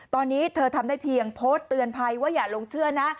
ตอนนี้เธอทำได้เพียงโพสต์เตือนภัยว่าอย่าลงเชื่อนะ